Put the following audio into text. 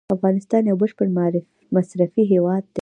افغانستان یو بشپړ مصرفي هیواد دی.